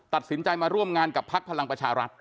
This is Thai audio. ตัดสินใจมาร่วมงานกับพักพลังประชารัฐ